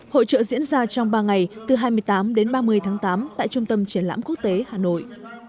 hội trợ diễn ra trong ba ngày từ hai mươi tám đến ba mươi tháng tám tại trung tâm triển lãm quốc tế hà nội